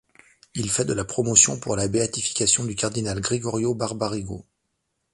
Il fait de la promotion pour la béatification du cardinal Gregorio Barbarigo.